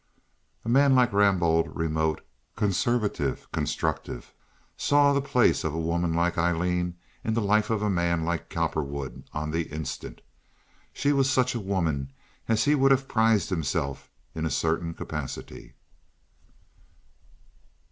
A man like Rambaud, remote, conservative, constructive, saw the place of a woman like Aileen in the life of a man like Cowperwood on the instant. She was such a woman as he would have prized himself in a certain capacity.